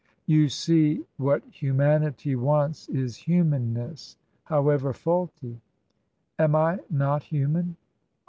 " You see what humanity wants is humanness — how ever faulty." " Am I not human